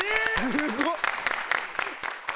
すごっ！